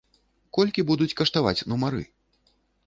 Колькі будуць каштаваць нумары?